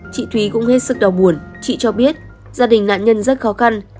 chị thúy cũng hết sức đau buồn chị cho biết gia đình nạn nhân rất khó khăn